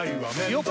よっ！